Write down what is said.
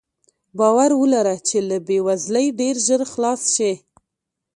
باور ولره چې له بې وزلۍ ډېر ژر خلاص شې.